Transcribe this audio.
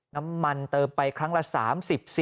น้ำมันเติมไปครั้งละ๓๐๔๐